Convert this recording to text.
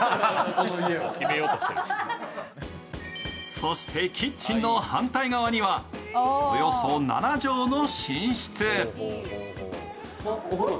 そしてキッチンの反対側にはおよそ７畳の寝室。